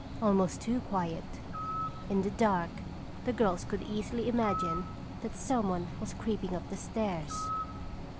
Almost too quiet. In the dark the girls could easily imagine that someone was creeping up the stairs.